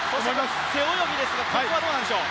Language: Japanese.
背泳ぎですがここはどうでしょう。